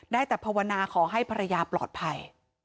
ได้แต่ภาวนาขอให้ภรรยาปลอดภัย